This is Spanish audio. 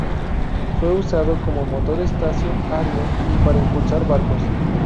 Fue usado como motor estacio ario y para impulsar barcos.